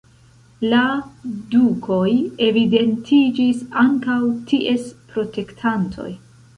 La dukoj evidentiĝis ankaŭ ties protektanoj.